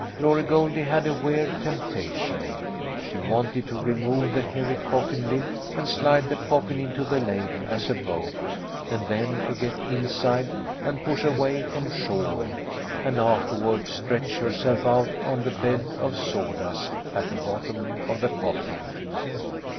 Glory Goldie had a weird temptation: she wanted to remove the heavy coffin lid and slide the coffin into the lake, as a boat, and then to get inside and push away from shore, and afterward stretch herself out on the bed of sawdust at the bottom of the coffin.